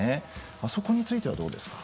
あそこについてはどうですか？